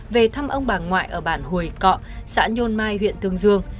về thăm ông bà ngoại ở bản hồi cọ xã nhôn mai huyện tương dương